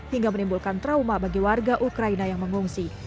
hingga menimbulkan trauma bagi warga ukraina yang mengungsi